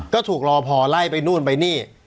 ก็ถูกรอพอไล่ไปนู่นไปนี่